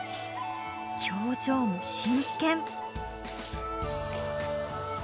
表情も真剣。